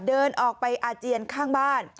เดินออกไปอาเจียนข้างบ้าน